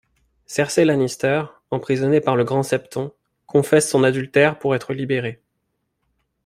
Cersei Lannister, emprisonnée par le Grand Septon, confesse son adultère pour être libérée.